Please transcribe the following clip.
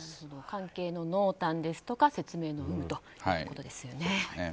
関係の濃淡ですとか説明の有無ということですね。